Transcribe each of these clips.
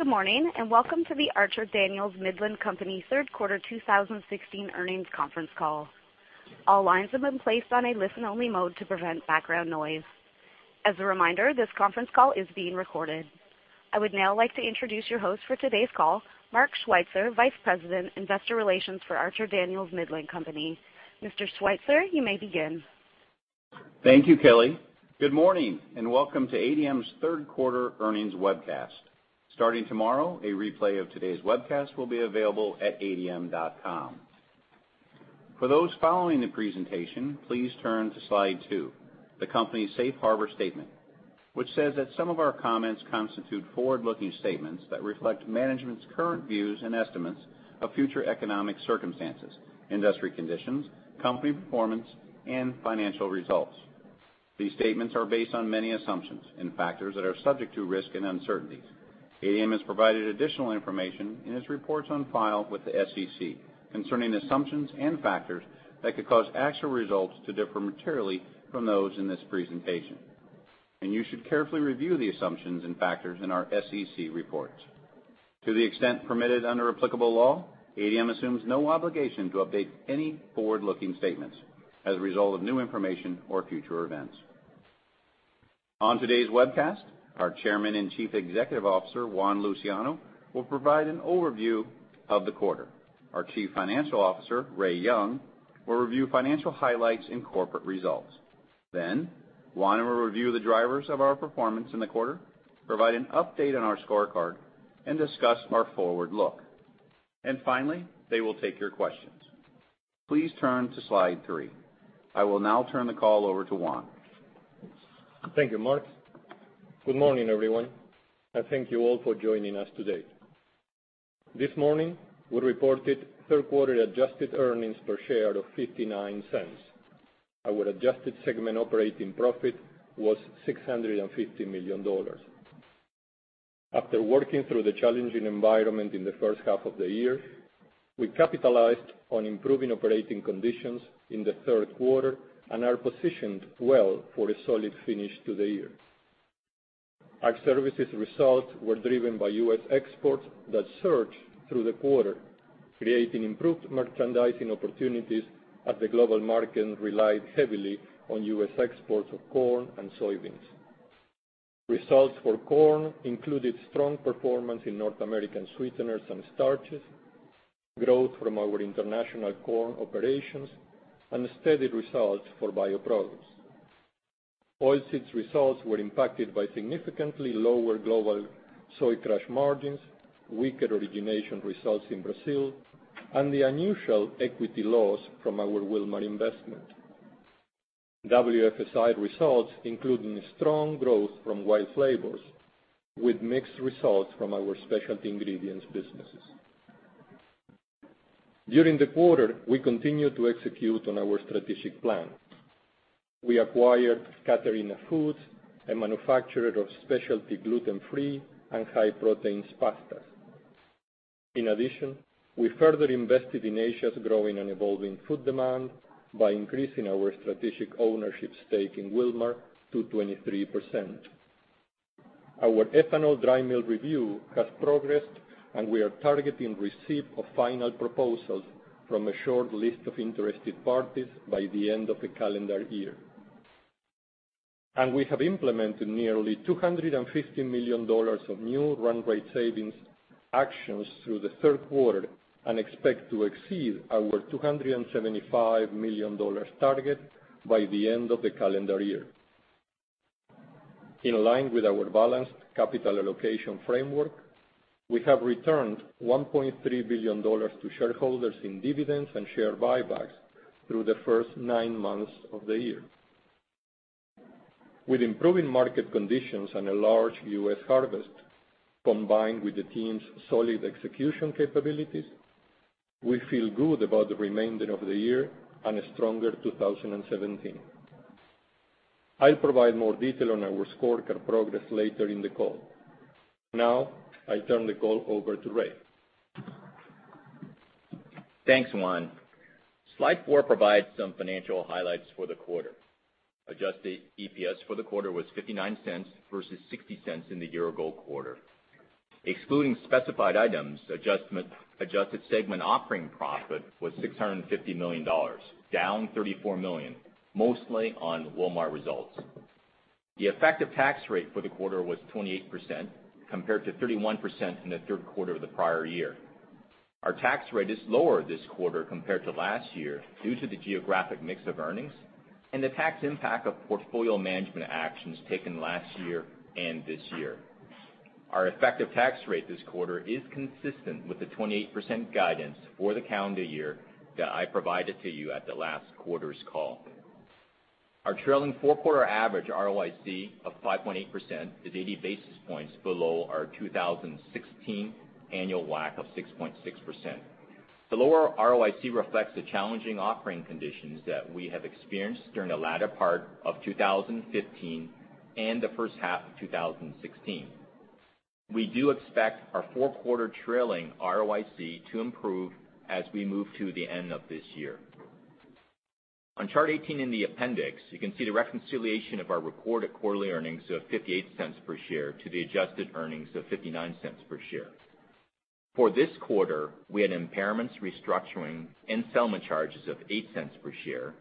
Good morning, welcome to the Archer Daniels Midland Company third quarter 2016 earnings conference call. All lines have been placed on a listen-only mode to prevent background noise. As a reminder, this conference call is being recorded. I would now like to introduce your host for today's call, Mark Schweitzer, Vice President, Investor Relations for Archer Daniels Midland Company. Mr. Schweitzer, you may begin. Thank you, Kelly. Good morning, welcome to ADM's third quarter earnings webcast. Starting tomorrow, a replay of today's webcast will be available at adm.com. For those following the presentation, please turn to Slide two, the company's safe harbor statement, which says that some of our comments constitute forward-looking statements that reflect management's current views and estimates of future economic circumstances, industry conditions, company performance, and financial results. These statements are based on many assumptions and factors that are subject to risk and uncertainties. ADM has provided additional information in its reports on file with the SEC concerning assumptions and factors that could cause actual results to differ materially from those in this presentation, you should carefully review the assumptions and factors in our SEC reports. To the extent permitted under applicable law, ADM assumes no obligation to update any forward-looking statements as a result of new information or future events. On today's webcast, our Chairman and Chief Executive Officer, Juan Luciano, will provide an overview of the quarter. Our Chief Financial Officer, Ray Young, will review financial highlights and corporate results. Juan will review the drivers of our performance in the quarter, provide an update on our scorecard, and discuss our forward look. Finally, they will take your questions. Please turn to Slide three. I will now turn the call over to Juan. Thank you, Mark. Good morning, everyone, thank you all for joining us today. This morning, we reported third quarter adjusted earnings per share of $0.59. Our adjusted segment operating profit was $650 million. After working through the challenging environment in the first half of the year, we capitalized on improving operating conditions in the third quarter and are positioned well for a solid finish to the year. Ag Services results were driven by U.S. exports that surged through the quarter, creating improved merchandising opportunities as the global market relied heavily on U.S. exports of corn and soybeans. Results for corn included strong performance in North American sweeteners and starches, growth from our international corn operations, and steady results for bioproducts. Oilseeds results were impacted by significantly lower global soy crush margins, weaker origination results in Brazil, and the unusual equity loss from our Wilmar investment. WFSI results including strong growth from WILD Flavors with mixed results from our specialty ingredients businesses. During the quarter, we continued to execute on our strategic plan. We acquired Caterina Foods, a manufacturer of specialty gluten-free and high-protein pastas. In addition, we further invested in Asia's growing and evolving food demand by increasing our strategic ownership stake in Wilmar to 23%. Our ethanol dry mill review has progressed, we are targeting receipt of final proposals from a short list of interested parties by the end of the calendar year. We have implemented nearly $250 million of new run rate savings actions through the third quarter and expect to exceed our $275 million target by the end of the calendar year. In line with our balanced capital allocation framework, we have returned $1.3 billion to shareholders in dividends and share buybacks through the first nine months of the year. With improving market conditions and a large U.S. harvest, combined with the team's solid execution capabilities, we feel good about the remainder of the year and a stronger 2017. I'll provide more detail on our scorecard progress later in the call. I turn the call over to Ray. Thanks, Juan. Slide four provides some financial highlights for the quarter. Adjusted EPS for the quarter was $0.59 versus $0.60 in the year-ago quarter. Excluding specified items, adjusted segment operating profit was $650 million, down $34 million, mostly on Wilmar results. The effective tax rate for the quarter was 28% compared to 31% in the third quarter of the prior year. Our tax rate is lower this quarter compared to last year due to the geographic mix of earnings and the tax impact of portfolio management actions taken last year and this year. Our effective tax rate this quarter is consistent with the 28% guidance for the calendar year that I provided to you at the last quarter's call. Our trailing four-quarter average ROIC of 5.8% is 80 basis points below our 2016 annual WACC of 6.6%. The lower ROIC reflects the challenging operating conditions that we have experienced during the latter part of 2015 and the first half of 2016. We do expect our four-quarter trailing ROIC to improve as we move to the end of this year. On chart 18 in the appendix, you can see the reconciliation of our recorded quarterly earnings of $0.58 per share to the adjusted earnings of $0.59 per share. For this quarter, we had impairments restructuring and settlement charges of $0.08 per share.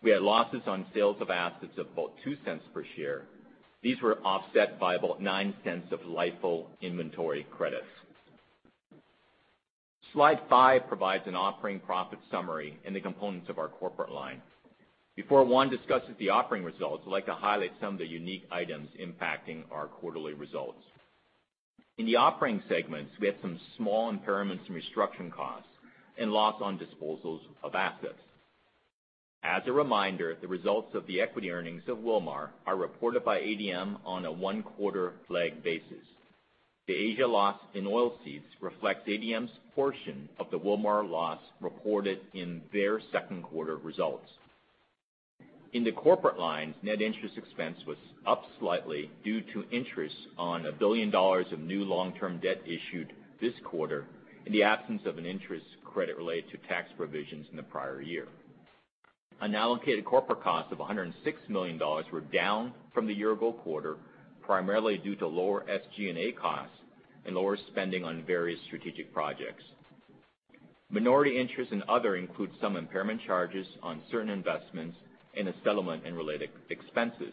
We had losses on sales of assets of about $0.02 per share. These were offset by about $0.09 of LIFO inventory credits. Slide five provides an operating profit summary and the components of our corporate line. Before Juan discusses the operating results, I'd like to highlight some of the unique items impacting our quarterly results. In the operating segments, we had some small impairments from restructuring costs and loss on disposals of assets. As a reminder, the results of the equity earnings of Wilmar are reported by ADM on a one-quarter lag basis. The Asia loss in oilseeds reflects ADM's portion of the Wilmar loss reported in their second quarter results. In the corporate lines, net interest expense was up slightly due to interest on $1 billion of new long-term debt issued this quarter in the absence of an interest credit related to tax provisions in the prior year. Unallocated corporate costs of $106 million were down from the year-ago quarter, primarily due to lower SG&A costs and lower spending on various strategic projects. Minority interest and other include some impairment charges on certain investments and a settlement and related expenses.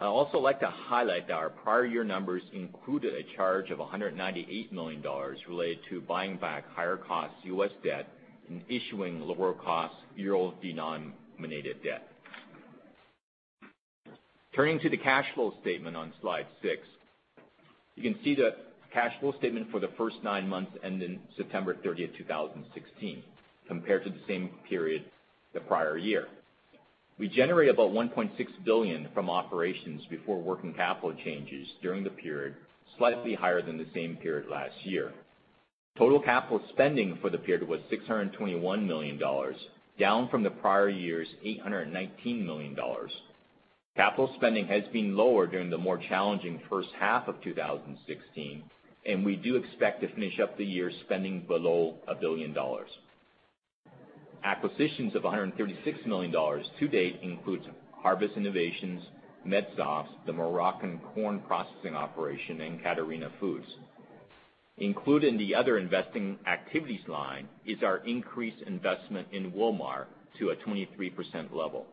I'd also like to highlight that our prior year numbers included a charge of $198 million related to buying back higher cost U.S. debt and issuing lower cost euro-denominated debt. Turning to the cash flow statement on slide six, you can see the cash flow statement for the first nine months ending September 30th, 2016, compared to the same period the prior year. We generate about $1.6 billion from operations before working capital changes during the period, slightly higher than the same period last year. Total capital spending for the period was $621 million, down from the prior year's $819 million. Capital spending has been lower during the more challenging first half of 2016, and we do expect to finish up the year spending below $1 billion. Acquisitions of $136 million to date includes Harvest Innovations, Medsofts, the Moroccan corn processing operation, and Caterina Foods. Included in the other investing activities line is our increased investment in Wilmar to a 23% level.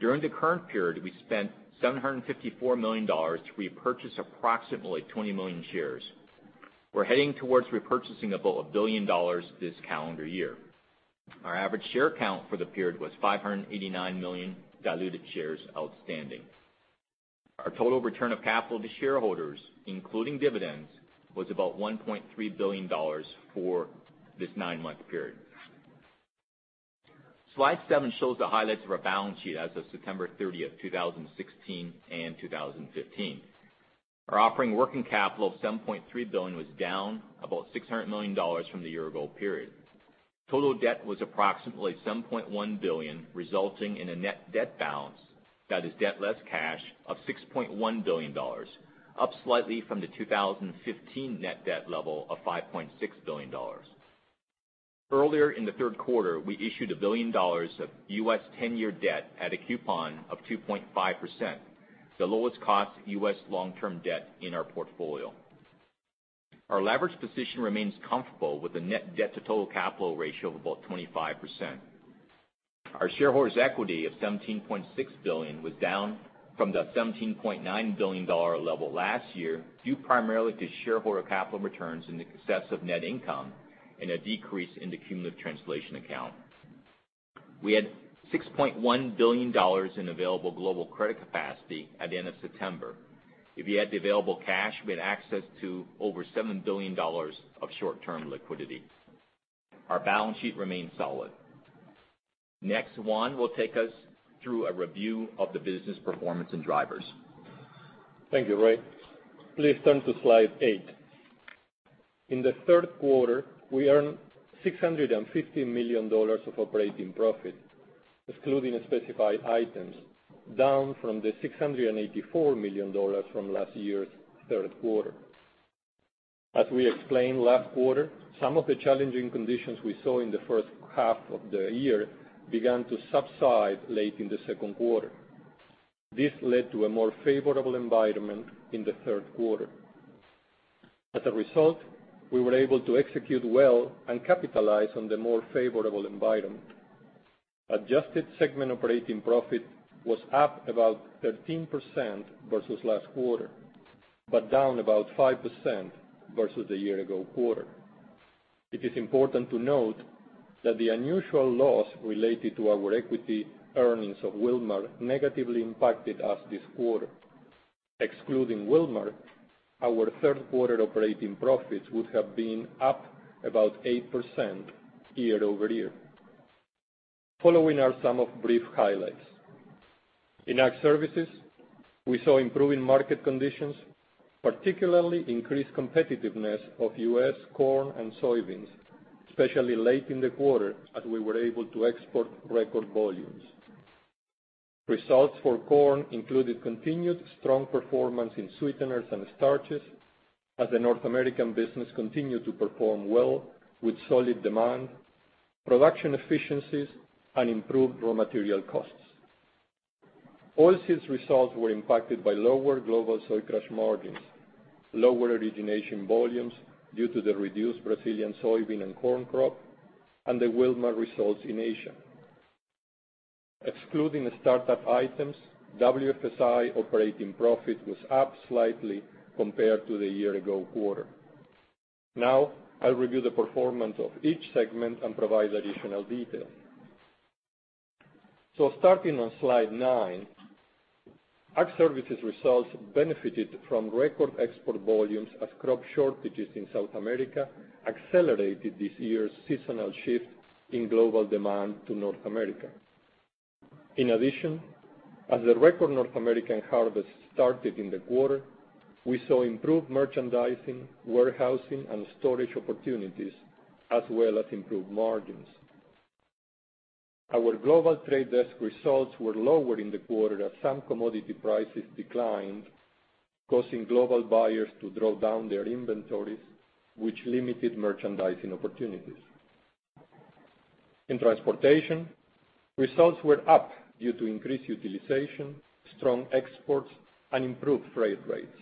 During the current period, we spent $754 million to repurchase approximately 20 million shares. We're heading towards repurchasing about $1 billion this calendar year. Our average share count for the period was 589 million diluted shares outstanding. Our total return of capital to shareholders, including dividends, was about $1.3 billion for this nine-month period. Slide seven shows the highlights of our balance sheet as of September 30th, 2016 and 2015. Our operating working capital of $7.3 billion was down about $600 million from the year-ago period. Total debt was approximately $7.1 billion, resulting in a net debt balance, that is debt less cash, of $6.1 billion, up slightly from the 2015 net debt level of $5.6 billion. Earlier in the third quarter, we issued $1 billion of U.S. 10-year debt at a coupon of 2.5%, the lowest cost U.S. long-term debt in our portfolio. Our leverage position remains comfortable with the net debt to total capital ratio of about 25%. Our shareholders' equity of $17.6 billion was down from the $17.9 billion level last year, due primarily to shareholder capital returns in excess of net income and a decrease in the cumulative translation account. We had $6.1 billion in available global credit capacity at the end of September. If you add the available cash, we had access to over $7 billion of short-term liquidity. Our balance sheet remains solid. Next, Juan will take us through a review of the business performance and drivers. Thank you, Ray. Please turn to slide eight. In the third quarter, we earned $650 million of operating profit, excluding specified items, down from the $684 million from last year's third quarter. As we explained last quarter, some of the challenging conditions we saw in the first half of the year began to subside late in the second quarter. This led to a more favorable environment in the third quarter. As a result, we were able to execute well and capitalize on the more favorable environment. Adjusted segment operating profit was up about 13% versus last quarter, but down about 5% versus the year-ago quarter. It is important to note that the unusual loss related to our equity earnings of Wilmar negatively impacted us this quarter. Excluding Wilmar, our third quarter operating profits would have been up about 8% year-over-year. Following are some of brief highlights. In Ag Services, we saw improving market conditions, particularly increased competitiveness of U.S. corn and soybeans, especially late in the quarter as we were able to export record volumes. Results for corn included continued strong performance in sweeteners and starches as the North American business continued to perform well with solid demand, production efficiencies, and improved raw material costs. Oilseeds results were impacted by lower global soy crush margins, lower origination volumes due to the reduced Brazilian soybean and corn crop, and the Wilmar results in Asia. Excluding the startup items, WFSI operating profit was up slightly compared to the year-ago quarter. I'll review the performance of each segment and provide additional detail. Starting on slide nine, Ag Services results benefited from record export volumes as crop shortages in South America accelerated this year's seasonal shift in global demand to North America. In addition, as the record North American harvest started in the quarter, we saw improved merchandising, warehousing, and storage opportunities, as well as improved margins. Our global trade desk results were lower in the quarter as some commodity prices declined, causing global buyers to draw down their inventories, which limited merchandising opportunities. In transportation, results were up due to increased utilization, strong exports, and improved freight rates.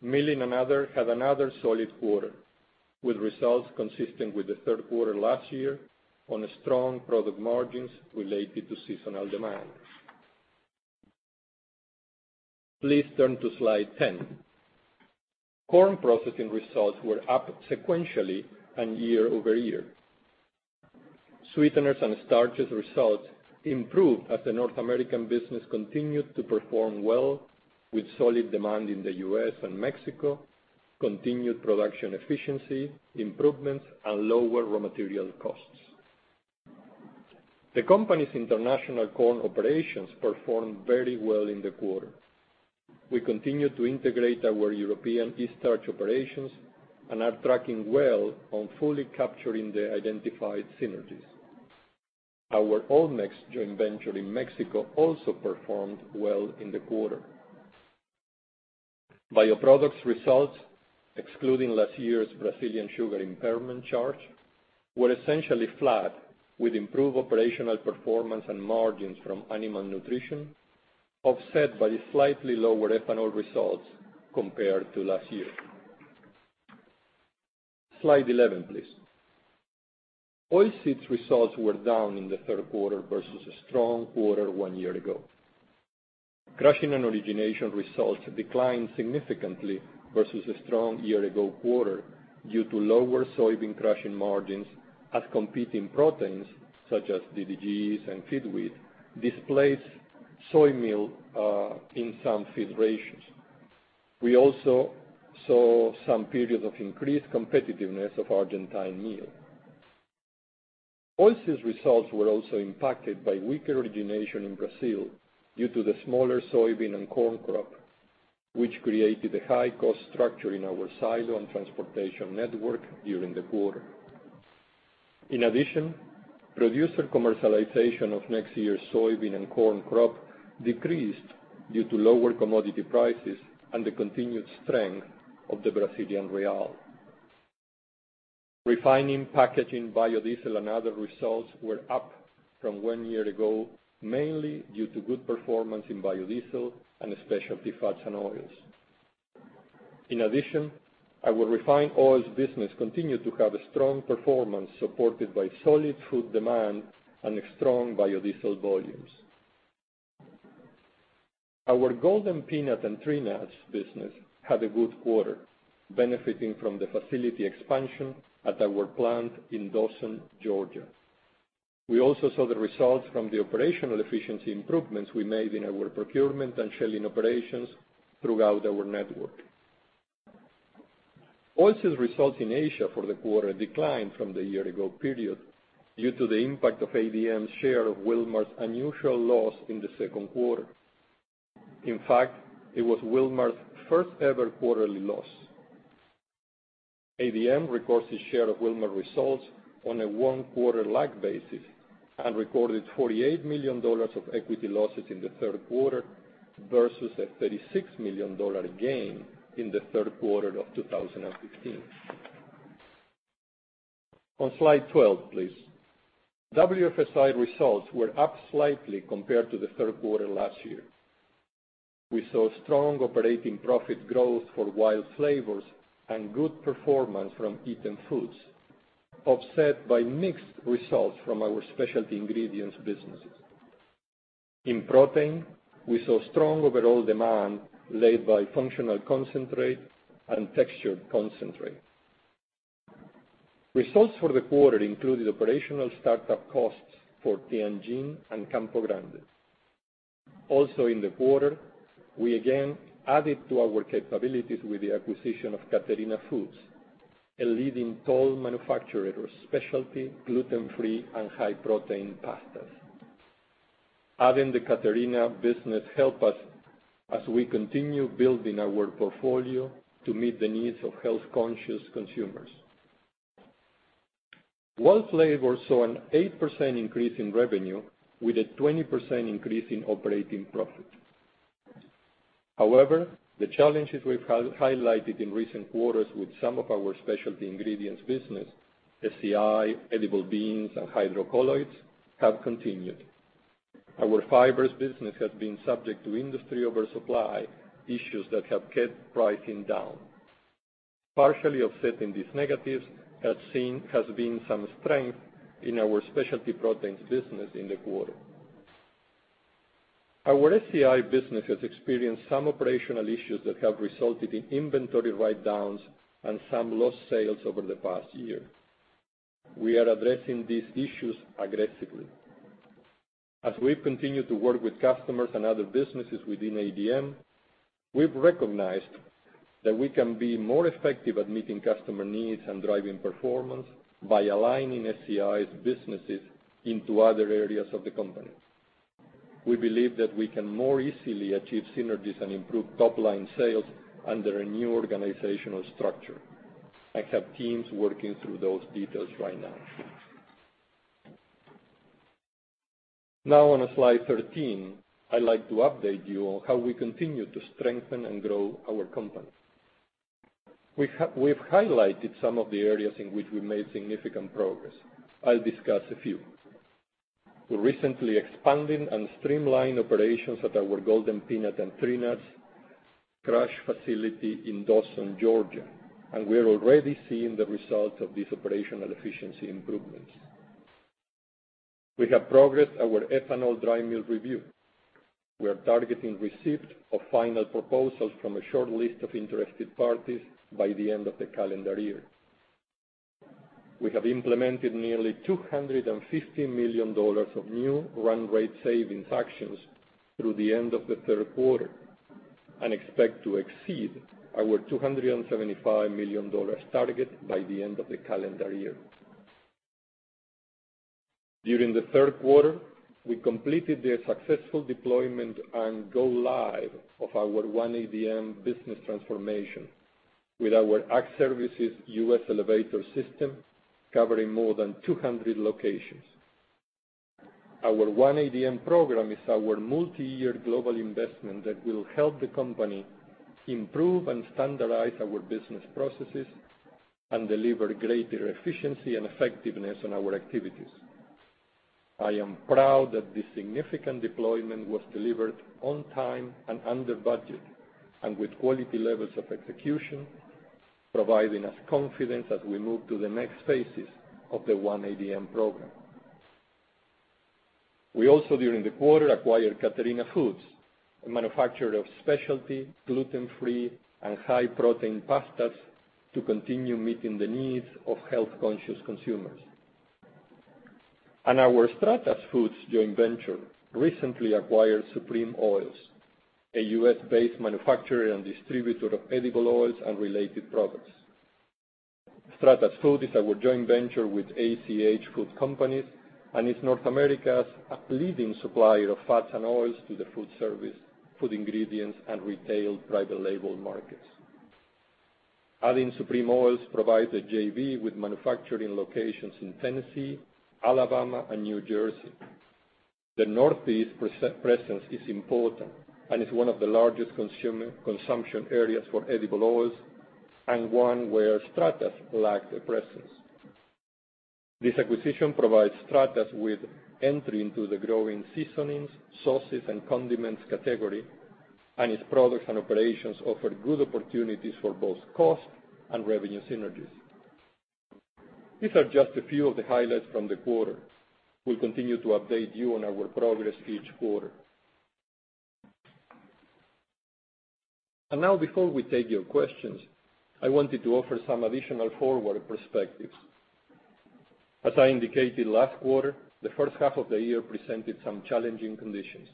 Milling and other had another solid quarter, with results consistent with the third quarter last year on strong product margins related to seasonal demand. Please turn to slide 10. Corn processing results were up sequentially and year-over-year. Sweeteners and starches results improved as the North American business continued to perform well with solid demand in the U.S. and Mexico, continued production efficiency improvements, and lower raw material costs. The company's international corn operations performed very well in the quarter. We continue to integrate our European Eaststarch operations and are tracking well on fully capturing the identified synergies. Our ALMEX joint venture in Mexico also performed well in the quarter. Bioproducts results, excluding last year's Brazilian sugar impairment charge, were essentially flat with improved operational performance and margins from animal nutrition, offset by slightly lower ethanol results compared to last year. Slide 11, please. Oilseeds results were down in the third quarter versus a strong quarter one year ago. Crushing and origination results declined significantly versus a strong year-ago quarter due to lower soybean crushing margins as competing proteins such as DDGs and feed wheat displaced soy meal in some feed ratios. We also saw some periods of increased competitiveness of Argentine meal. Oilseeds results were also impacted by weaker origination in Brazil due to the smaller soybean and corn crop, which created a high cost structure in our silo and transportation network during the quarter. In addition, producer commercialization of next year's soybean and corn crop decreased due to lower commodity prices and the continued strength of the Brazilian real. Refining, packaging, biodiesel, and other results were up from one year ago, mainly due to good performance in biodiesel and specialty fats and oils. In addition, our refined oils business continued to have a strong performance supported by solid food demand and strong biodiesel volumes. Our Golden Peanut and Tree Nuts business had a good quarter, benefiting from the facility expansion at our plant in Dawson, Georgia. We also saw the results from the operational efficiency improvements we made in our procurement and shelling operations throughout our network. Oilseeds results in Asia for the quarter declined from the year ago period due to the impact of ADM's share of Wilmar's unusual loss in the second quarter. In fact, it was Wilmar's first-ever quarterly loss. ADM records its share of Wilmar results on a one-quarter lag basis and recorded $48 million of equity losses in the third quarter versus a $36 million gain in the third quarter of 2015. On slide 12, please. WFSI results were up slightly compared to the third quarter last year. We saw strong operating profit growth for WILD Flavors and good performance from Eatem Foods, offset by mixed results from our specialty ingredients businesses. In protein, we saw strong overall demand led by functional concentrate and textured concentrate. Results for the quarter included operational start-up costs for Tianjin and Campo Grande. Also in the quarter, we again added to our capabilities with the acquisition of Caterina Foods, a leading toll manufacturer of specialty gluten-free and high-protein pastas. Adding the Catarina business help us as we continue building our portfolio to meet the needs of health-conscious consumers. WILD Flavors saw an 8% increase in revenue with a 20% increase in operating profit. However, the challenges we've highlighted in recent quarters with some of our specialty ingredients business, FCI, edible beans, and hydrocolloids, have continued. Our fibers business has been subject to industry oversupply issues that have kept pricing down. Partially offsetting these negatives, has been some strength in our specialty proteins business in the quarter. Our FCI business has experienced some operational issues that have resulted in inventory write-downs and some lost sales over the past year. We are addressing these issues aggressively. As we've continued to work with customers and other businesses within ADM, we've recognized that we can be more effective at meeting customer needs and driving performance by aligning FCI's businesses into other areas of the company. We believe that we can more easily achieve synergies and improve top-line sales under a new organizational structure. I have teams working through those details right now. Now on slide 13, I'd like to update you on how we continue to strengthen and grow our company. We've highlighted some of the areas in which we made significant progress. I'll discuss a few. We're recently expanding and streamlining operations at our Golden Peanut and Tree Nuts crush facility in Dawson, Georgia, and we're already seeing the results of these operational efficiency improvements. We have progressed our ethanol dry mill review. We are targeting receipt of final proposals from a short list of interested parties by the end of the calendar year. We have implemented nearly $250 million of new run rate savings actions through the end of the third quarter, and expect to exceed our $275 million target by the end of the calendar year. During the third quarter, we completed the successful deployment and go live of our One ADM business transformation with our Ag Services US Elevator system, covering more than 200 locations. Our One ADM program is our multi-year global investment that will help the company improve and standardize our business processes and deliver greater efficiency and effectiveness on our activities. I am proud that this significant deployment was delivered on time and under budget, with quality levels of execution, providing us confidence as we move to the next phases of the One ADM program. We also, during the quarter, acquired Caterina Foods, a manufacturer of specialty, gluten-free, and high-protein pastas, to continue meeting the needs of health-conscious consumers. Our Stratas Foods joint venture recently acquired Supreme Oils, a US-based manufacturer and distributor of edible oils and related products. Stratas Foods is our joint venture with ACH Food Companies and is North America's leading supplier of fats and oils to the food service, food ingredients, and retail private label markets. Adding Supreme Oils provides the JV with manufacturing locations in Tennessee, Alabama, and New Jersey. The Northeast presence is important and is one of the largest consumption areas for edible oils and one where Stratas lacked a presence. This acquisition provides Stratas with entry into the growing seasonings, sauces, and condiments category, and its products and operations offer good opportunities for both cost and revenue synergies. These are just a few of the highlights from the quarter. We'll continue to update you on our progress each quarter. Now before we take your questions, I wanted to offer some additional forward perspectives. As I indicated last quarter, the first half of the year presented some challenging conditions.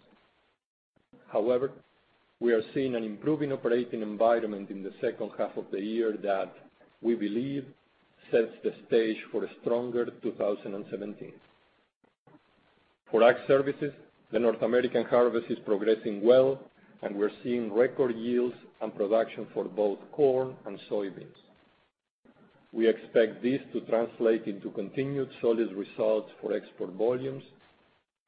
However, we are seeing an improving operating environment in the second half of the year that we believe sets the stage for a stronger 2017. For Ag Services, the North American harvest is progressing well, and we're seeing record yields and production for both corn and soybeans. We expect this to translate into continued solid results for export volumes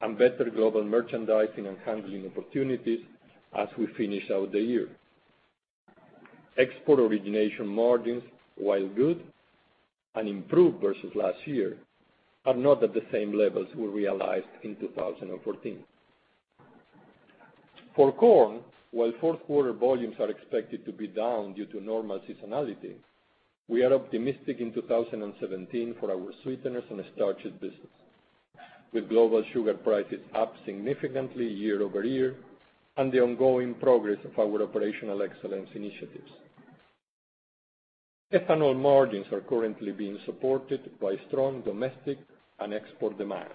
and better global merchandising and handling opportunities as we finish out the year. Export origination margins, while good and improved versus last year, are not at the same levels we realized in 2014. For corn, while fourth quarter volumes are expected to be down due to normal seasonality, we are optimistic in 2017 for our sweeteners and starches business, with global sugar prices up significantly year-over-year and the ongoing progress of our operational excellence initiatives. Ethanol margins are currently being supported by strong domestic and export demand.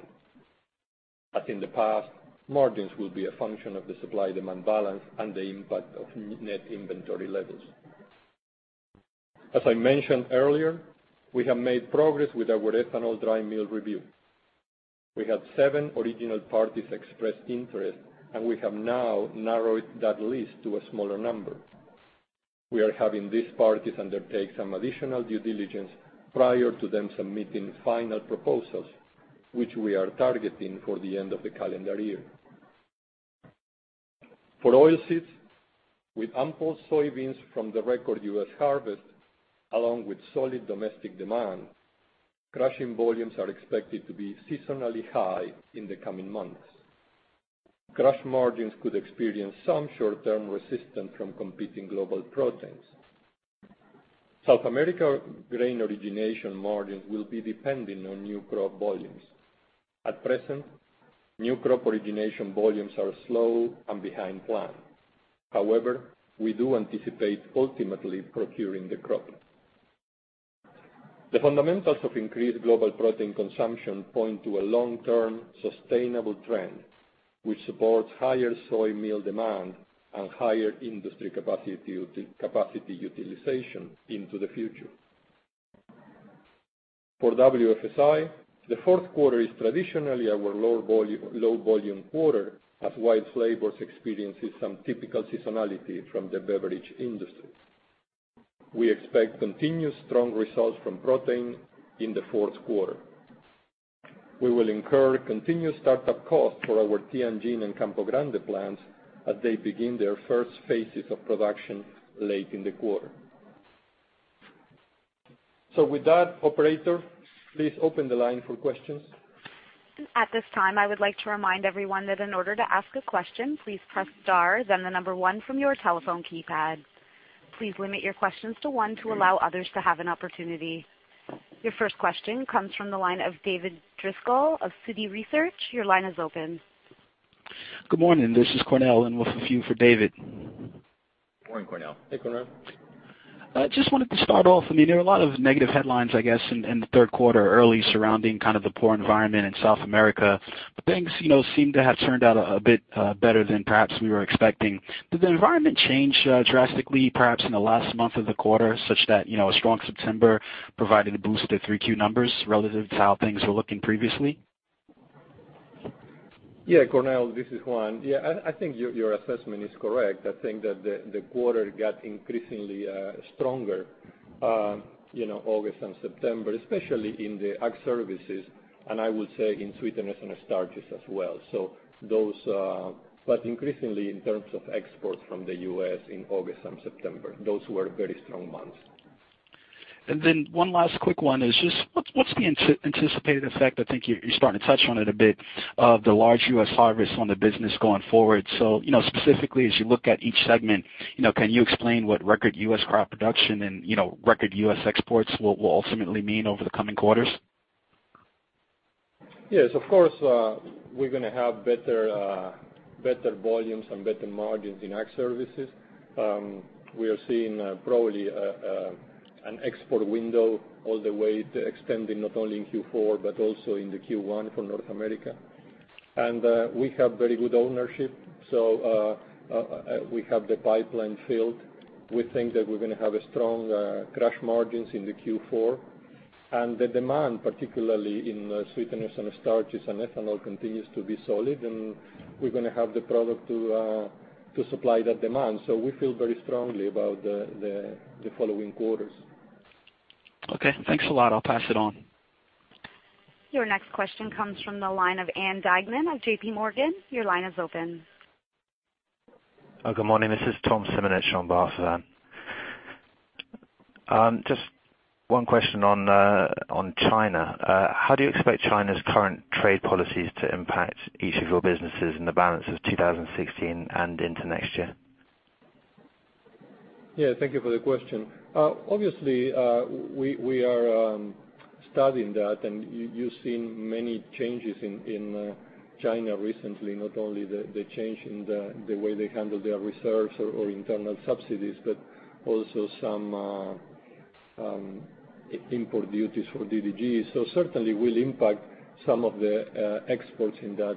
As in the past, margins will be a function of the supply-demand balance and the impact of net inventory levels. As I mentioned earlier, we have made progress with our ethanol dry mill review. We have seven original parties express interest. We have now narrowed that list to a smaller number. We are having these parties undertake some additional due diligence prior to them submitting final proposals, which we are targeting for the end of the calendar year. For oilseeds, with ample soybeans from the record U.S. harvest, along with solid domestic demand, crushing volumes are expected to be seasonally high in the coming months. Crush margins could experience some short-term resistance from competing global proteins. South America grain origination margins will be dependent on new crop volumes. At present, new crop origination volumes are slow and behind plan. However, we do anticipate ultimately procuring the crop. The fundamentals of increased global protein consumption point to a long-term sustainable trend, which supports higher soy meal demand and higher industry capacity utilization into the future. For WFSI, the fourth quarter is traditionally our low-volume quarter as WILD Flavors experiences some typical seasonality from the beverage industry. We expect continued strong results from protein in the fourth quarter. We will incur continued start-up costs for our Tianjin and Campo Grande plants as they begin their first phases of production late in the quarter. With that, operator, please open the line for questions. At this time, I would like to remind everyone that in order to ask a question, please press star then the number 1 from your telephone keypad. Please limit your questions to 1 to allow others to have an opportunity. Your first question comes from the line of David Driscoll of Citi Research. Your line is open. Good morning. This is Cornell in with a few for David. Morning, Cornell. Hey, Cornell. Just wanted to start off, there are a lot of negative headlines, I guess, in the third quarter early surrounding kind of the poor environment in South America. Things seem to have turned out a bit better than perhaps we were expecting. Did the environment change drastically, perhaps in the last month of the quarter, such that a strong September provided a boost to the three Q numbers relative to how things were looking previously? Yeah, Cornell, this is Juan. Yeah, I think your assessment is correct. I think that the quarter got increasingly stronger August and September, especially in the Ag Services, and I would say in sweetness and starches as well. Increasingly in terms of exports from the U.S. in August and September. Those were very strong months. One last quick one is just what's the anticipated effect, I think you're starting to touch on it a bit, of the large U.S. harvest on the business going forward. Specifically as you look at each segment, can you explain what record U.S. crop production and record U.S. exports will ultimately mean over the coming quarters? Yes, of course, we're going to have better volumes and better margins in Ag Services. We are seeing probably an export window all the way to extending not only in Q4 but also into Q1 for North America. We have very good ownership. We have the pipeline filled. We think that we're going to have strong crush margins in the Q4. The demand, particularly in sweeteners and starches and ethanol, continues to be solid, and we're going to have the product to supply that demand. We feel very strongly about the following quarters. Okay. Thanks a lot. I'll pass it on. Your next question comes from the line of Ann Duignan of J.P. Morgan. Your line is open. Good morning. This is Tom Simonitsch showing for Ann. Just one question on China. How do you expect China's current trade policies to impact each of your businesses in the balance of 2016 and into next year? Yeah, thank you for the question. Obviously, we are studying that. You've seen many changes in China recently, not only the change in the way they handle their reserves or internal subsidies, also some import duties for DDGs. Certainly will impact some of the exports in that,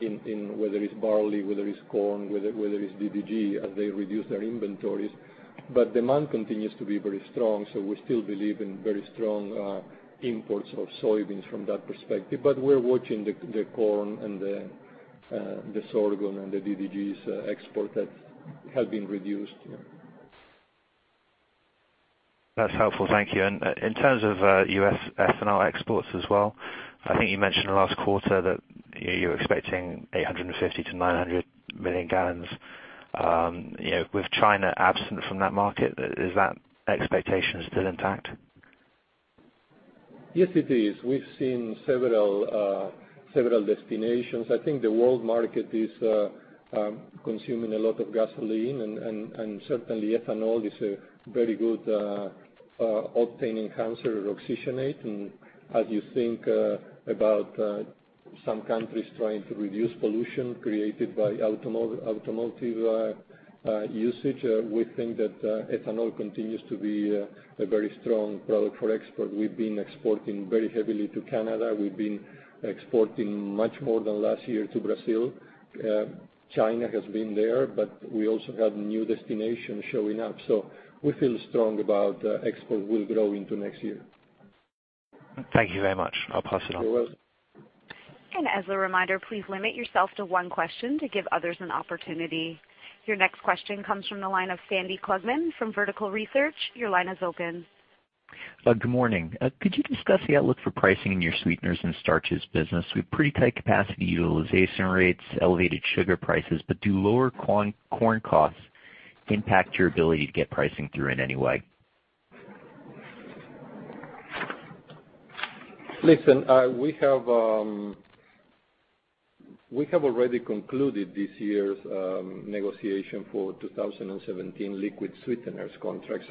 whether it's barley, whether it's corn, whether it's DDG, as they reduce their inventories. Demand continues to be very strong, we still believe in very strong imports of soybeans from that perspective. We're watching the corn and the sorghum and the DDGs export that have been reduced. That's helpful. Thank you. In terms of U.S. ethanol exports as well, I think you mentioned last quarter that you're expecting 850-900 million gallons. With China absent from that market, is that expectation still intact? Yes, it is. We've seen several destinations. I think the world market is consuming a lot of gasoline, certainly ethanol is a very good octane enhancer or oxygenate. As you think about some countries trying to reduce pollution created by automotive usage, we think that ethanol continues to be a very strong product for export. We've been exporting very heavily to Canada. We've been exporting much more than last year to Brazil. China has been there, we also have new destinations showing up. We feel strong about export will grow into next year. Thank you very much. I'll pass it on. You're welcome. As a reminder, please limit yourself to one question to give others an opportunity. Your next question comes from the line of Sandy Klugman from Vertical Research. Your line is open. Good morning. Could you discuss the outlook for pricing in your sweeteners and starches business? We have pretty tight capacity utilization rates, elevated sugar prices, do lower corn costs impact your ability to get pricing through in any way? We have already concluded this year's negotiation for 2017 liquid sweeteners contracts.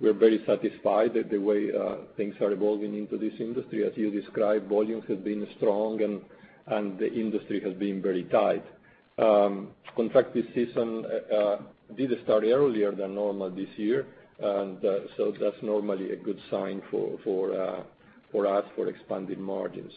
We're very satisfied at the way things are evolving into this industry. As you described, volumes have been strong. The industry has been very tight. Contract this season did start earlier than normal this year. That's normally a good sign for us for expanded margins.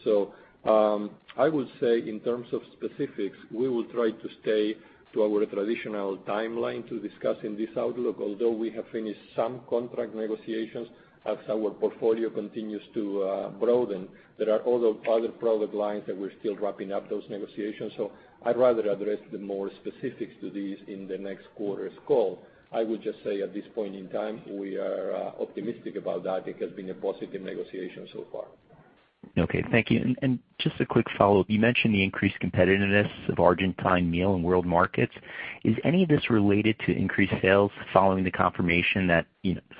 I would say in terms of specifics, we will try to stay to our traditional timeline to discussing this outlook. Although we have finished some contract negotiations as our portfolio continues to broaden, there are other product lines that we're still wrapping up those negotiations. I'd rather address the more specifics to these in the next quarter's call. I would just say at this point in time, we are optimistic about that. It has been a positive negotiation so far. Okay. Thank you. Just a quick follow-up. You mentioned the increased competitiveness of Argentine meal in world markets. Is any of this related to increased sales following the confirmation that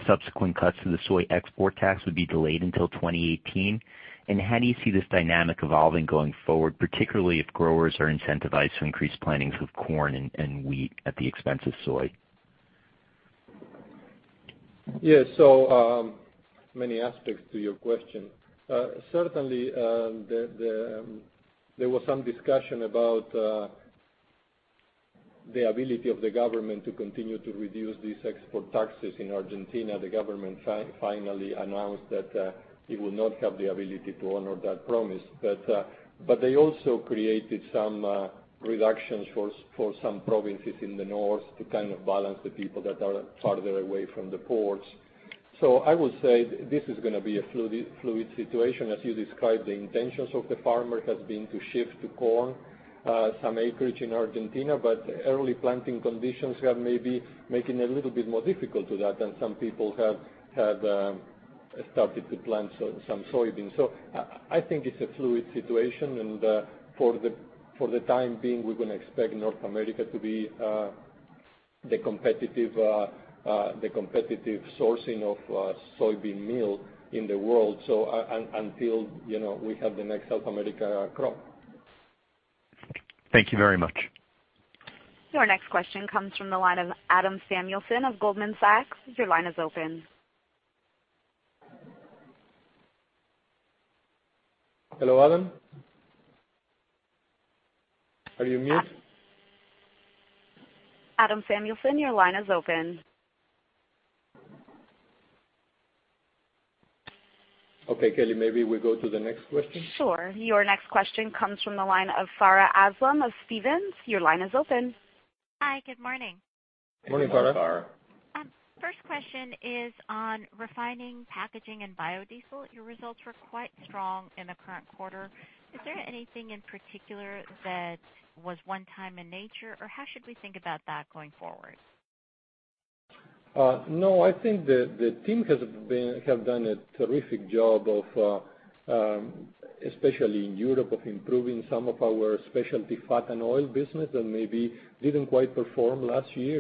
subsequent cuts to the soy export tax would be delayed until 2018? How do you see this dynamic evolving going forward, particularly if growers are incentivized to increase plantings of corn and wheat at the expense of soy? Many aspects to your question. Certainly, there was some discussion about the ability of the government to continue to reduce these export taxes in Argentina. The government finally announced that it will not have the ability to honor that promise. They also created some reductions for some provinces in the north to kind of balance the people that are farther away from the ports. I would say this is going to be a fluid situation, as you described, the intentions of the farmer has been to shift to corn some acreage in Argentina. Early planting conditions have maybe making it a little bit more difficult to that. Some people have started to plant some soybeans. I think it's a fluid situation and for the time being, we're going to expect North America to be the competitive sourcing of soybean meal in the world. Until we have the next South America crop. Thank you very much. Your next question comes from the line of Adam Samuelson of Goldman Sachs. Your line is open. Hello, Adam. Are you mute? Adam Samuelson, your line is open. Okay, Kelly, maybe we go to the next question. Sure. Your next question comes from the line of Farha Aslam of Stephens. Your line is open. Hi, good morning. Morning, Farha. Morning, Farha. First question is on refining, packaging, and biodiesel. Your results were quite strong in the current quarter. Is there anything in particular that was one time in nature, or how should we think about that going forward? I think the team have done a terrific job of, especially in Europe, of improving some of our specialty fat and oil business that maybe didn't quite perform last year.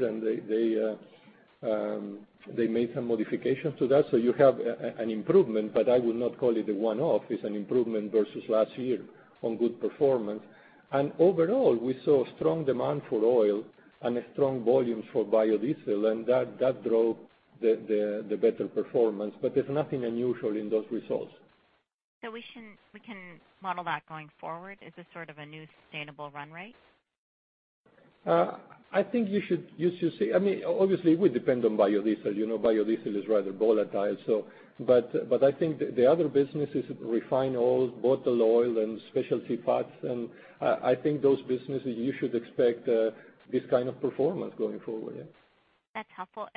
They made some modifications to that. You have an improvement, but I would not call it a one-off. It's an improvement versus last year on good performance. Overall, we saw strong demand for oil and a strong volume for biodiesel, and that drove the better performance. There's nothing unusual in those results. We can model that going forward? Is this sort of a new sustainable run rate? Obviously, we depend on biodiesel. Biodiesel is rather volatile, but the other businesses refine oils, bottle oil, and specialty fats, and those businesses you should expect this kind of performance going forward, yeah. That's helpful.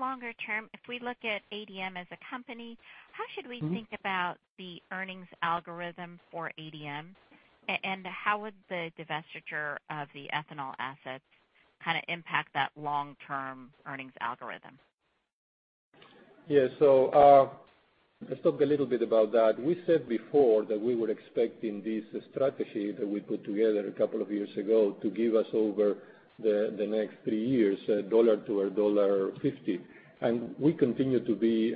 Longer term, if we look at ADM as a company, how should we think about the earnings algorithm for ADM? How would the divestiture of the ethanol assets kind of impact that long-term earnings algorithm? Yeah. Let's talk a little bit about that. We said before that we were expecting this strategy that we put together a couple of years ago to give us over the next 3 years, $1 to $1.50. We continue to be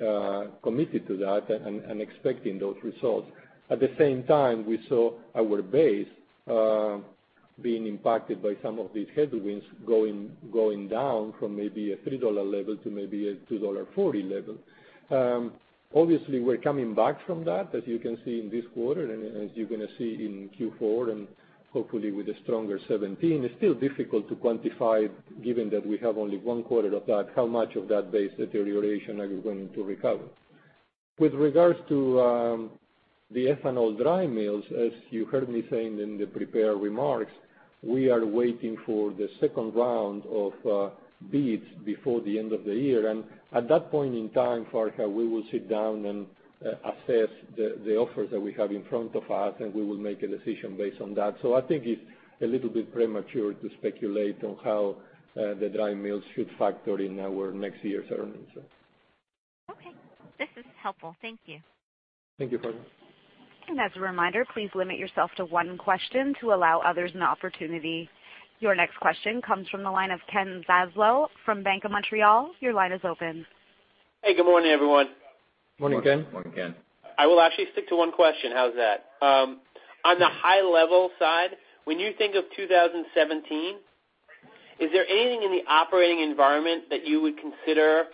committed to that and expecting those results. At the same time, we saw our base being impacted by some of these headwinds going down from maybe a $3 level to maybe a $2.40 level. Obviously, we're coming back from that, as you can see in this quarter and as you're going to see in Q4, hopefully with a stronger 2017. It's still difficult to quantify, given that we have only one quarter of that, how much of that base deterioration are we going to recover. With regards to the ethanol dry mills, as you heard me saying in the prepared remarks, we are waiting for the second round of bids before the end of the year. At that point in time, Farha, we will sit down and assess the offers that we have in front of us, and we will make a decision based on that. I think it's a little bit premature to speculate on how the dry mills should factor in our next year's earnings. Okay. This is helpful. Thank you. Thank you, Farha. As a reminder, please limit yourself to one question to allow others an opportunity. Your next question comes from the line of Ken Zaslow from Bank of Montreal. Your line is open. Hey, good morning, everyone. Morning, Ken. Morning, Ken. I will actually stick to one question. How's that? On the high level side, when you think of 2017, is there anything in the operating environment that you would consider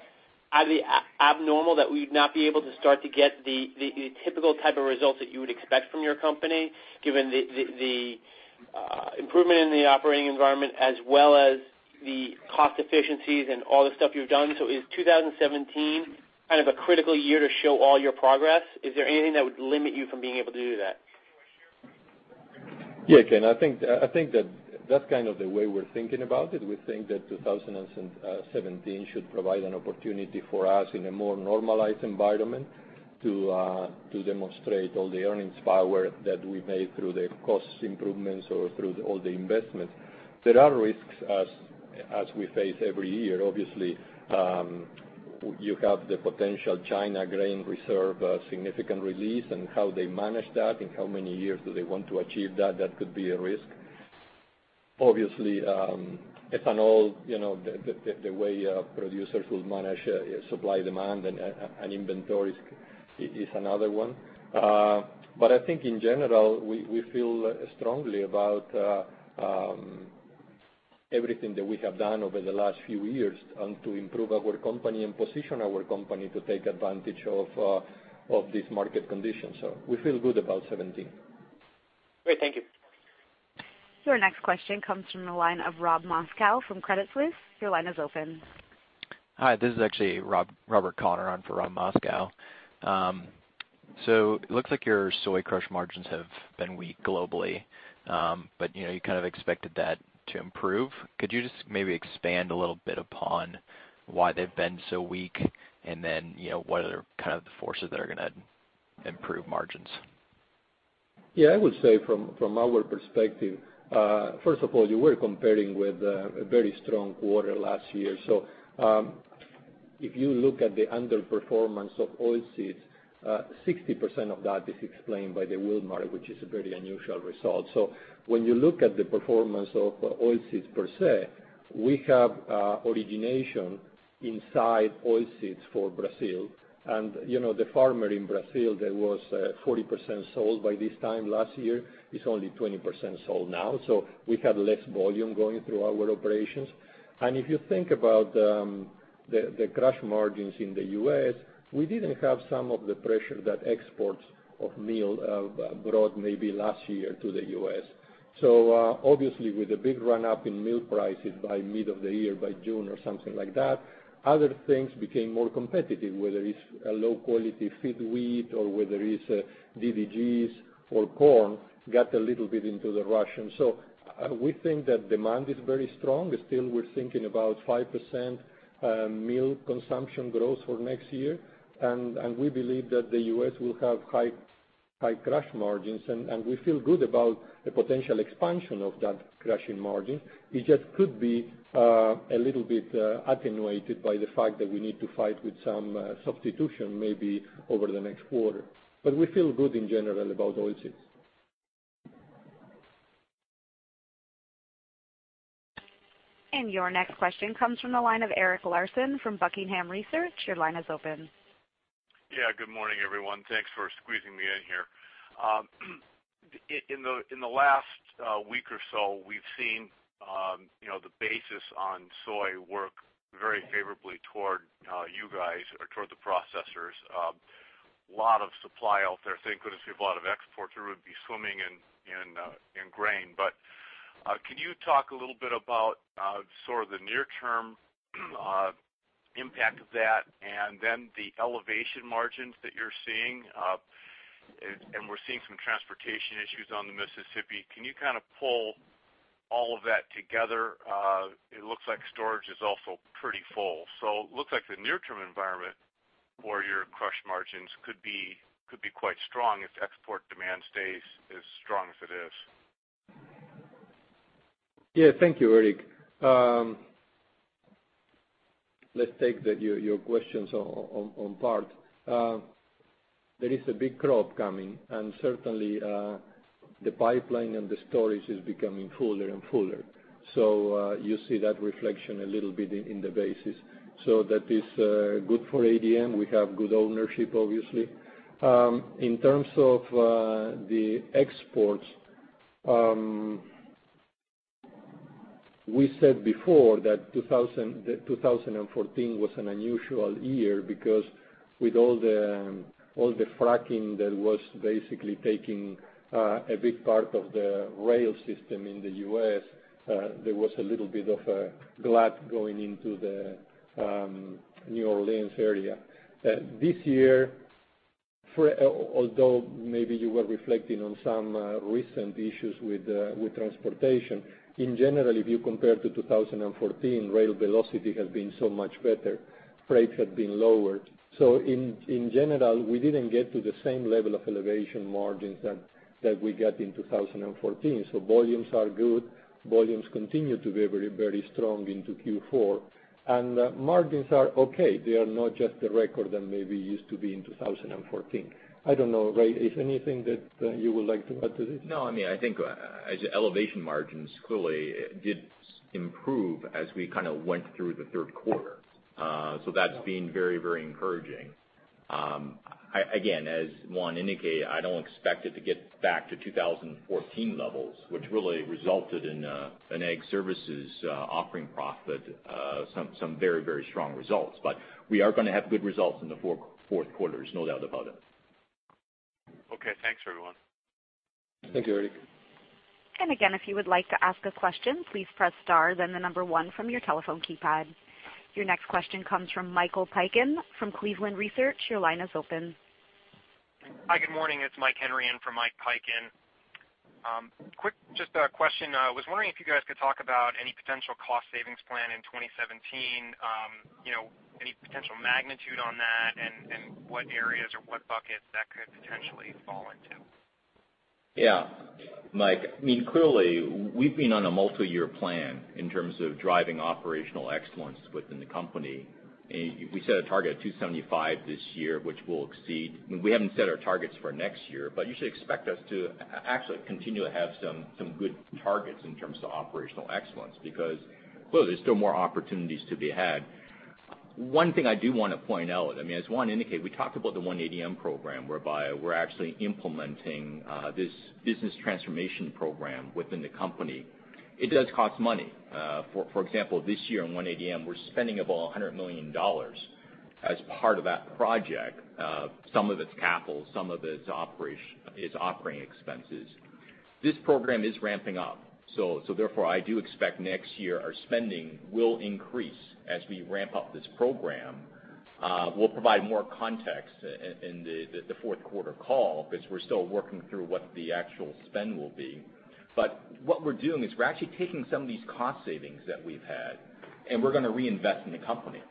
abnormal, that we would not be able to start to get the typical type of results that you would expect from your company, given the improvement in the operating environment as well as the cost efficiencies and all the stuff you've done? Is 2017 kind of a critical year to show all your progress? Is there anything that would limit you from being able to do that? Yeah, Ken, I think that's kind of the way we're thinking about it. We think that 2017 should provide an opportunity for us in a more normalized environment to demonstrate all the earnings power that we made through the cost improvements or through all the investments. There are risks as we face every year. Obviously, you have the potential China grain reserve, a significant release, and how they manage that and how many years do they want to achieve that. That could be a risk. Obviously, ethanol, the way producers will manage supply-demand and inventories is another one. I think in general, we feel strongly about everything that we have done over the last few years and to improve our company and position our company to take advantage of these market conditions. We feel good about 2017. Great. Thank you. Your next question comes from the line of Rob Moskow from Credit Suisse. Your line is open. Hi, this is actually Robert Connor on for Rob Moskow. It looks like your soy crush margins have been weak globally. You kind of expected that to improve. Could you just maybe expand a little bit upon why they've been so weak and then what are kind of the forces that are going to improve margins? Yeah, I would say from our perspective, first of all, you were comparing with a very strong quarter last year. If you look at the underperformance of oilseeds, 60% of that is explained by the world market, which is a very unusual result. When you look at the performance of oilseeds per se, we have origination inside oilseeds for Brazil. The farmer in Brazil that was 40% sold by this time last year is only 20% sold now. We have less volume going through our operations. If you think about the crush margins in the U.S., we didn't have some of the pressure that exports of meal brought maybe last year to the U.S. Obviously, with a big run-up in meal prices by mid of the year, by June or something like that, other things became more competitive, whether it's a low-quality feed wheat or whether it's DDGs or corn, got a little bit into the rush. We think that demand is very strong. Still, we're thinking about 5% meal consumption growth for next year. We believe that the U.S. will have high crush margins, and we feel good about the potential expansion of that crushing margin. It just could be a little bit attenuated by the fact that we need to fight with some substitution, maybe over the next quarter. We feel good in general about oilseeds. Your next question comes from the line of Eric Larson from Buckingham Research. Your line is open. Good morning, everyone. Thanks for squeezing me in here. In the last week or so, we've seen the basis on soy work very favorably toward you guys or towards the processors. Lot of supply out there. Thank goodness we have a lot of exports or we would be swimming in grain. Can you talk a little bit about sort of the near-term impact of that and then the elevation margins that you're seeing? And we're seeing some transportation issues on the Mississippi. Can you kind of pull all of that together? It looks like storage is also pretty full. It looks like the near-term environment for your crush margins could be quite strong if export demand stays as strong as it is. Thank you, Erik. Let's take your questions in part. There is a big crop coming, certainly, the pipeline and the storage is becoming fuller and fuller. You see that reflection a little bit in the basis. That is good for ADM. We have good ownership, obviously. In terms of the exports, we said before that 2014 was an unusual year because with all the fracking that was basically taking a big part of the rail system in the U.S., there was a little bit of a glut going into the New Orleans area. This year Although maybe you were reflecting on some recent issues with transportation. In general, if you compare to 2014, rail velocity has been so much better. Freight had been lower. In general, we didn't get to the same level of elevation margins that we got in 2014. Volumes are good. Volumes continue to be very strong into Q4, margins are okay. They are not just the record than maybe used to be in 2014. I don't know, Ray, is anything that you would like to add to this? No, I think as elevation margins clearly did improve as we kind of went through the third quarter. That's been very encouraging. Again, as Juan indicated, I don't expect it to get back to 2014 levels, which really resulted in an Ag Services offering profit, some very strong results. We are going to have good results in the fourth quarter, there's no doubt about it. Okay, thanks, everyone. Thank you, Eric. If you would like to ask a question, please press star 1 from your telephone keypad. Your next question comes from Michael Piken from Cleveland Research. Your line is open. Hi, good morning. It's Mike Henry in for Mike Piken. Quick, just a question. I was wondering if you guys could talk about any potential cost savings plan in 2017, any potential magnitude on that, and what areas or what buckets that could potentially fall into? Yeah. Mike, clearly, we've been on a multi-year plan in terms of driving operational excellence within the company. We set a target of $275 million this year, which we'll exceed. We haven't set our targets for next year, but you should expect us to actually continue to have some good targets in terms of operational excellence, because clearly there's still more opportunities to be had. One thing I do want to point out, as Juan indicated, we talked about the One ADM program whereby we're actually implementing this business transformation program within the company. It does cost money. For example, this year in One ADM, we're spending about $100 million as part of that project. Some of it's capital, some of it's operating expenses. This program is ramping up, therefore, I do expect next year our spending will increase as we ramp up this program. We'll provide more context in the fourth quarter call because we're still working through what the actual spend will be. What we're doing is we're actually taking some of these cost savings that we've had, and we're going to reinvest in the company.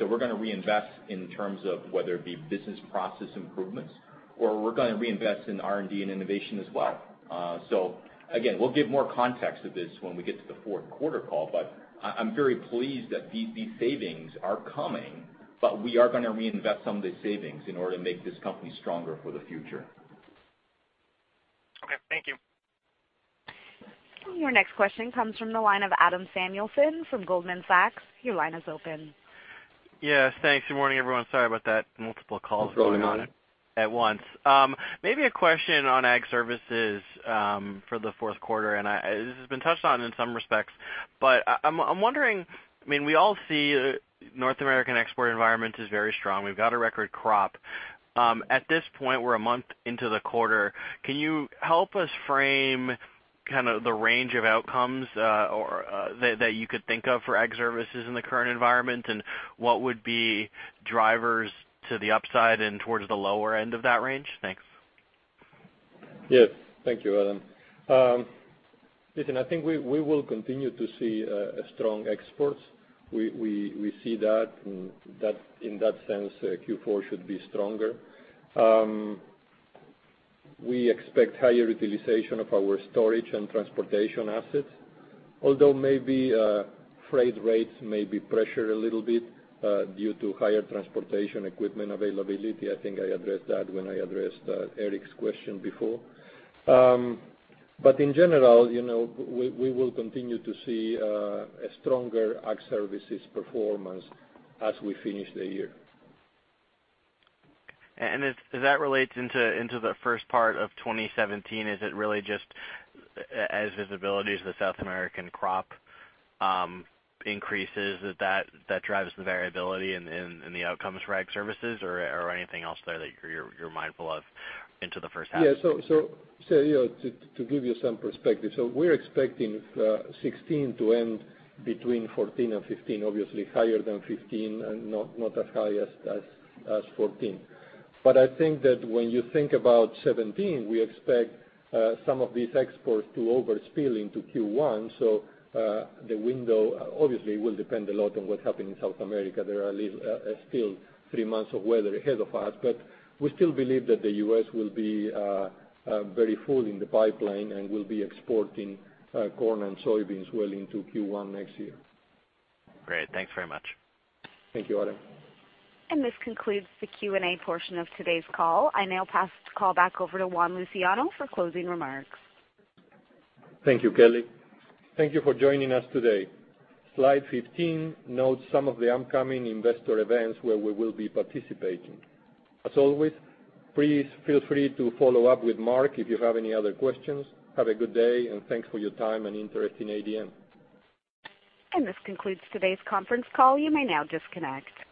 We're going to reinvest in terms of whether it be business process improvements, or we're going to reinvest in R&D and innovation as well. Again, we'll give more context to this when we get to the fourth quarter call, but I'm very pleased that these savings are coming, but we are going to reinvest some of the savings in order to make this company stronger for the future. Okay, thank you. Your next question comes from the line of Adam Samuelson from Goldman Sachs. Your line is open. Yes, thanks. Good morning, everyone. Sorry about that. Multiple calls going on at once. Maybe a question on Ag Services for the fourth quarter, and this has been touched on in some respects. I'm wondering, we all see North American export environment is very strong. We've got a record crop. At this point, we're a month into the quarter. Can you help us frame kind of the range of outcomes that you could think of for Ag Services in the current environment, and what would be drivers to the upside and towards the lower end of that range? Thanks. Yes. Thank you, Adam. Listen, I think we will continue to see strong exports. We see that in that sense, Q4 should be stronger. We expect higher utilization of our storage and transportation assets, although maybe freight rates may be pressured a little bit due to higher transportation equipment availability. I think I addressed that when I addressed Eric's question before. In general, we will continue to see a stronger Ag Services performance as we finish the year. As that relates into the first part of 2017, is it really just as visibility as the South American crop increases, that drives the variability in the outcomes for Ag Services or anything else there that you're mindful of into the first half? Yeah. To give you some perspective. We're expecting 2016 to end between 14 and 15, obviously higher than 15 and not as high as 14. I think that when you think about 2017, we expect some of these exports to overspill into Q1. The window obviously will depend a lot on what's happening in South America. There are still three months of weather ahead of us, we still believe that the U.S. will be very full in the pipeline and will be exporting corn and soybeans well into Q1 next year. Great. Thanks very much. Thank you, Adam. This concludes the Q&A portion of today's call. I now pass the call back over to Juan Luciano for closing remarks. Thank you, Kelly. Thank you for joining us today. Slide 15 notes some of the upcoming investor events where we will be participating. As always, please feel free to follow up with Mark if you have any other questions. Have a good day, and thanks for your time and interest in ADM. This concludes today's conference call. You may now disconnect.